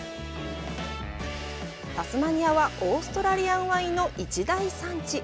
タスマニアはオーストラリアンワインの一大産地。